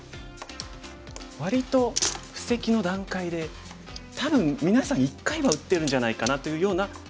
割と布石の段階で多分みなさん一回は打ってるんじゃないかなというような格好ですね。